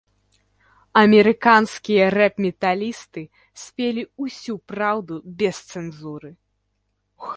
Амерыканскія рэп-металісты спелі ўсю праўду без цэнзуры.